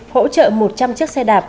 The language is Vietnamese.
hỗ trợ một trăm linh chiếc xe đạp